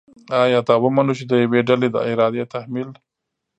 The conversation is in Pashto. آیا دا ومنو چې د یوې ډلې د ارادې تحمیل